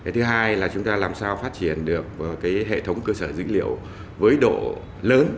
thứ hai là chúng ta làm sao phát triển được hệ thống cơ sở dữ liệu với độ lớn